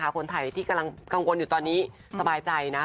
คนไทยที่กำลังกังวลอยู่ตอนนี้สบายใจนะ